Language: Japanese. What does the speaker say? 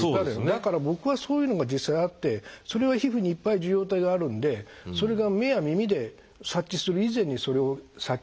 だから僕はそういうのが実際あってそれは皮膚にいっぱい受容体があるんでそれが目や耳で察知する以前にそれを察知し危険なものは特に。